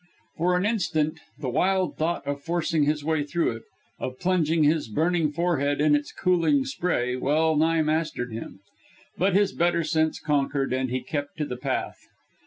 For an instant the wild thought of forcing his way through it, of plunging his burning forehead in its cooling spray, well nigh mastered him. But his better sense conquered, and he kept to the path.